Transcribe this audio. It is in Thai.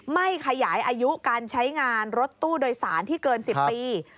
ไม่ขยายอายุการใช้งานรถตู้โดยสารที่เกิน๑๐ปี